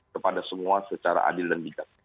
kepada semua secara adil dan bijak